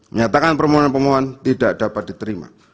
menyatakan permohonan pemohon tidak dapat diterima